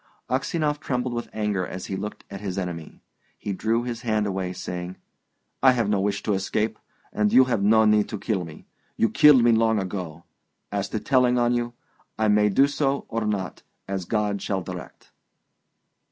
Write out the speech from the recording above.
Aksionov trembled with anger as he looked at his enemy. He drew his hand away, saying, "I have no wish to escape, and you have no need to kill me; you killed me long ago! As to telling of you I may do so or not, as God shall direct."